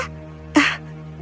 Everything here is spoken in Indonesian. penyihir merah muda